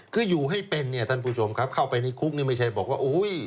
คืออยู่ให้เป็นเนี่ยท่านผู้ชมครับเข้าไปในคุกนี่ไม่ใช่บอกว่าอุ้ย